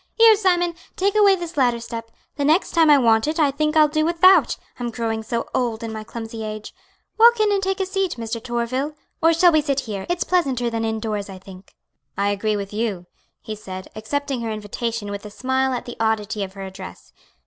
Here, Simon, take away this ladder step; the next time I want it I think I'll do without; I'm growing so old in my clumsy age. Walk in and take a seat, Mr. Torville. Or shall we sit here? It's pleasanter than indoors I think." "I agree with you," he said, accepting her invitation with a smile at the oddity of her address.